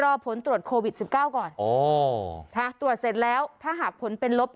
รอผลตรวจโควิด๑๙ก่อนโอ้ตรวจเสร็จแล้วถ้าหากผลเป็นลบ